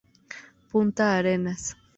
Punta Arenas.